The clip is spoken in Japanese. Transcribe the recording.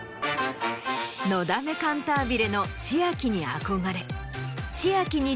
『のだめカンタービレ』の千秋に憧れ。